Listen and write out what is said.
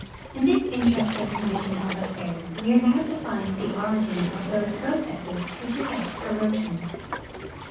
In this interesting condition of affairs we are now to find the origin of those j)ro cesses which effect erosion.